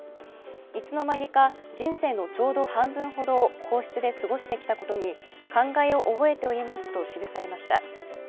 いつの間にか、人生のちょうど半分ほどを皇室で過ごしてきたことに感慨を覚えておりますと記されました。